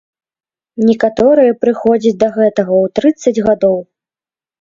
Некаторыя прыходзяць да гэтага ў трыццаць гадоў.